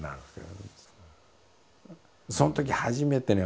そのとき初めてね